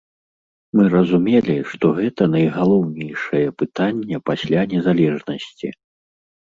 Мы разумелі, што гэта найгалоўнейшае пытанне пасля незалежнасці.